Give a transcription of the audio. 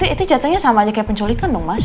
itu jatuhnya sama aja kayak penculikan dong mas